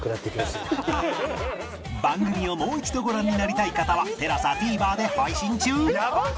番組をもう一度ご覧になりたい方は ＴＥＬＡＳＡＴＶｅｒ で配信中やばっ！